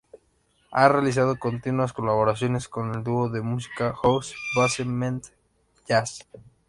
Ha realizado continuas colaboraciones con el dúo de música house Basement Jaxx.